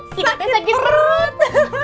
sikap teh sakit perut